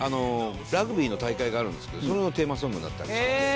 ラグビーの大会があるんですけどそれのテーマソングになった。